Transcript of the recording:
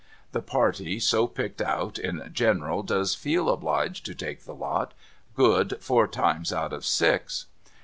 The party so picked out, in general, does feel obliged to take the lot — good four times out of six.